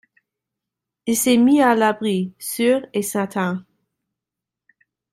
Il s'est mis à l'abri, sûr et certain.